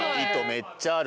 めっちゃある。